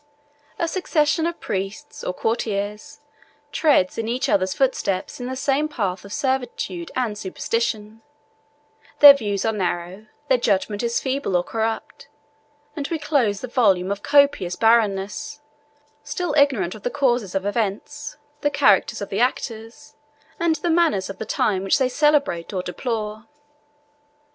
A succession of priests, or courtiers, treads in each other's footsteps in the same path of servitude and superstition: their views are narrow, their judgment is feeble or corrupt; and we close the volume of copious barrenness, still ignorant of the causes of events, the characters of the actors, and the manners of the times which they celebrate or deplore.